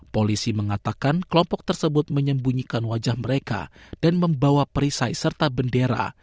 polisi mengatakan kelompok tersebut menyembunyikan wajah mereka dan membawa perisai serta bendera